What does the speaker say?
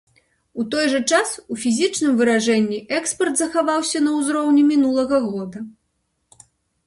У той жа час у фізічным выражэнні экспарт захаваўся на ўзроўні мінулага года.